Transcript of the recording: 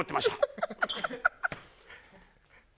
ハハハハ！